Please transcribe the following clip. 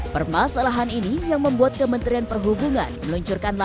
permasalahan ini yang membuat kementerian perhubungan meluncurkan